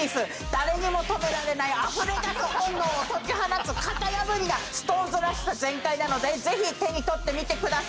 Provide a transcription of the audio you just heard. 誰にも止められないあふれ出す本能を解き放つ型破りなＳｉｘＴＯＮＥＳらしさ全開なのでぜひ手にとってみてください。